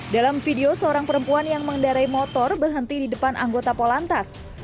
dalam video seorang perempuan yang mengendarai motor berhenti di depan anggota polantas